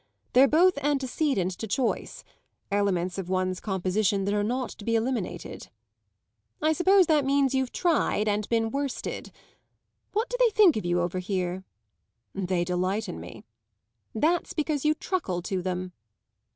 They're both antecedent to choice elements of one's composition that are not to be eliminated." "I suppose that means that you've tried and been worsted. What do they think of you over here?" "They delight in me." "That's because you truckle to them."